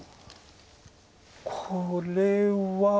これは。